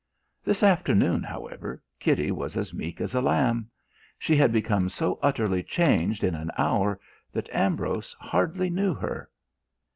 This afternoon, however, Kitty was as meek as a lamb. She had become so utterly changed in an hour that Ambrose hardly knew her.